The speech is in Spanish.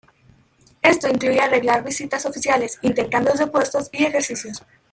Esto incluye arreglar visitas oficiales, intercambios de puestos y ejercicios.